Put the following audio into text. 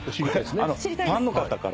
これファンの方から。